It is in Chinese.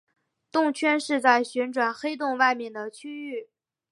动圈是在旋转黑洞外面的区域。